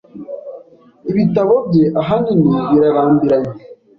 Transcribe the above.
Ibitabo bye, ahanini, birarambiranye.